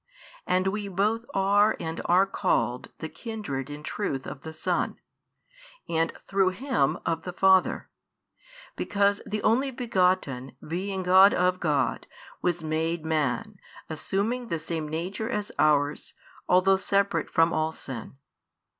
And we both are and are called the kindred in truth of the Son, and through Him of the Father; because the Only Begotten, being God of God, was made Man, assuming the same nature as ours, although separate from all sin.